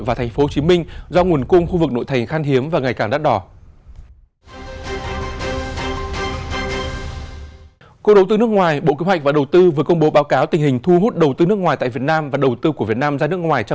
và tp hcm do nguồn cung khu vực nội thành khan hiếm và ngày càng đắt đỏ